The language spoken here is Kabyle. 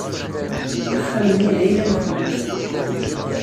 Axxam-nni d ayla-nwent.